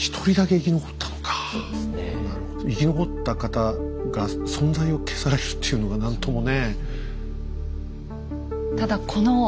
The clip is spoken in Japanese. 生き残った方が存在を消されるというのが何ともね。